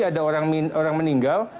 ada orang meninggal